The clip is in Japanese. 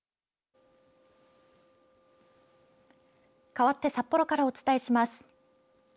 かわって札幌からお伝えします。